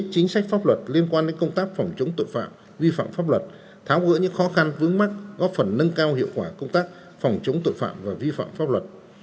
chính sách pháp luật liên quan đến công tác phòng chống tội phạm vi phạm pháp luật tháo gỡ những khó khăn vướng mắt góp phần nâng cao hiệu quả công tác phòng chống tội phạm và vi phạm pháp luật